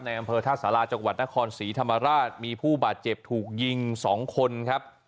อำเภอท่าสาราจังหวัดนครศรีธรรมราชมีผู้บาดเจ็บถูกยิง๒คนครับ